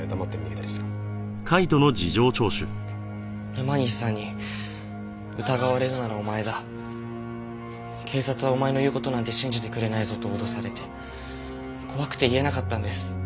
山西さんに「疑われるならお前だ」「警察はお前の言う事なんて信じてくれないぞ」と脅されて怖くて言えなかったんです。